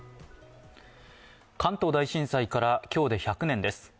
関東大震災から今日で１００年です。